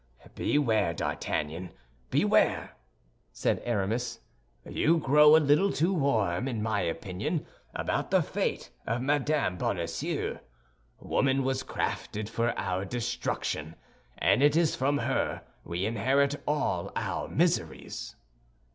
"Beware, D'Artagnan, beware," said Aramis. "You grow a little too warm, in my opinion, about the fate of Madame Bonacieux. Woman was created for our destruction, and it is from her we inherit all our miseries."